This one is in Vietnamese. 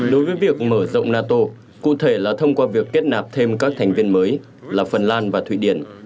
đối với việc mở rộng nato cụ thể là thông qua việc kết nạp thêm các thành viên mới là phần lan và thụy điển